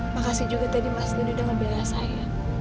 makasih juga tadi mas donny udah ngeberas saya